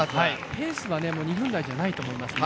ペースは２分台ではないと思いますね。